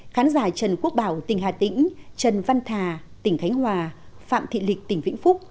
khán giả trần quốc bảo tỉnh hà tĩnh trần văn thà tỉnh khánh hòa phạm thị lịch tỉnh vĩnh phúc